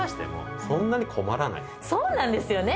そうなんですよね。